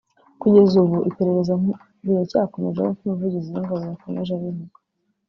Kugeza ubu iperereza riracyakomeje nk’uko Umuvugizi w’ingabo yakomeje abivuga